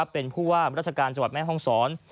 เป็นผู้ว่าราชการจังหวัดแม่ห้องศร